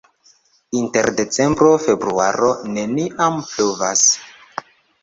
Inter decembro-februaro neniam pluvas.